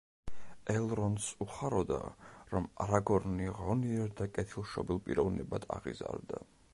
ელრონდს უხაროდა, რომ არაგორნი ღონიერ და კეთილშობილ პიროვნებად აღიზარდა.